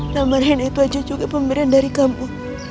nama rene itu aja juga pemberian dari kamu